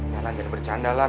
nih jangan bercandalan